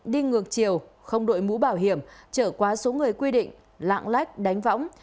đi ngược chiều không đội mũ bảo hiểm trở quá số người quy định lạng lách đánh võng